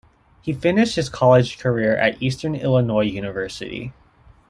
He finished his college career at Eastern Illinois University.